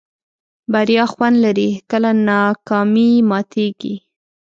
بریا خوند لري کله ناکامي ماتېږي.